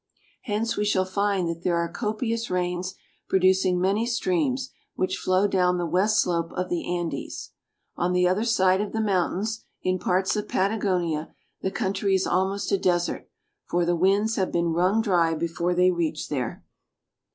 Hence we shall find that there are copious rains, producing many streams, which flow down the west slope of the Andes. On the other side of the mountains, in parts of Patagonia, the country is almost a desert, for the winds have been wrung dry before they reach there.